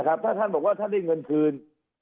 ถ้าท่านบอกว่าท่านได้เงินคืน